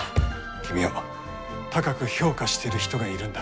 君を高く評価している人がいるんだ。